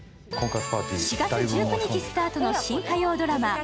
４月１９日スタートの新火曜ドラマ